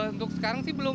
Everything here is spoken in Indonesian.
untuk sekarang sih belum